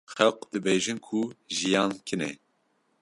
Xelk dibêjin ku jiyan kin e.